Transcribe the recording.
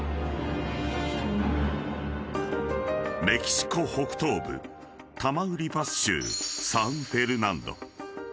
［メキシコ北東部タマウリパス州サンフェルナンド］